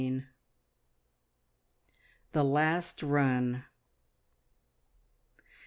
THE LAST RUN.